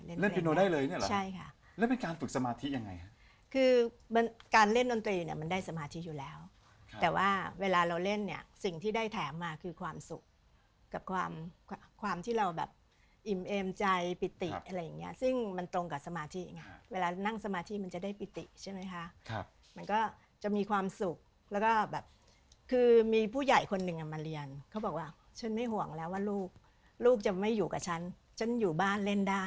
เล่นปีโนได้เลยเนี่ยหรอใช่ค่ะแล้วเป็นการฝึกสมาธิยังไงครับคือการเล่นดนตรีเนี่ยมันได้สมาธิอยู่แล้วแต่ว่าเวลาเราเล่นเนี่ยสิ่งที่ได้แถมมาคือความสุขกับความที่เราแบบอิ่มเอ็มใจปิติอะไรอย่างเงี้ยซึ่งมันตรงกับสมาธิเวลานั่งสมาธิมันจะได้ปิติใช่ไหมค่ะมันก็จะมีความสุขแล้วก็แบบค